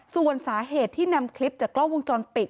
ส่วนสาเหตุที่นำคลิปจากกล้องวงจรปิด